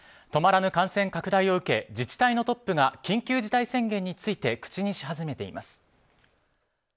止まらぬ感染拡大を受け自治体のトップが緊急事態宣言について口にし始めています。